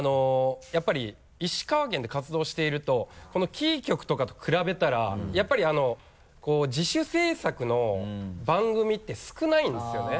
やっぱり石川県で活動しているとこのキー局とかと比べたらやっぱり自主制作の番組って少ないんですよね。